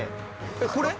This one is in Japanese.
これ？